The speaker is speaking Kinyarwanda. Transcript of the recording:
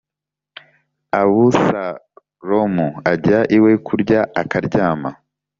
Abusalomu ajya iwe kurya akaharyama